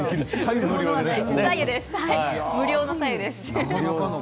無料の白湯です。